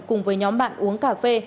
cùng với nhóm bạn uống cà phê